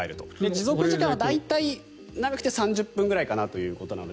持続時間は大体長くて３０分くらいかなということなので。